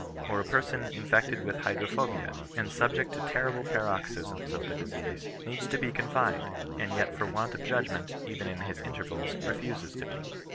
Or a person infected with hydrophobia, and subject to terrible paroxysms of the disease, needs to be confined ; and yet for want of judgment, even in his intervals, refuses to be.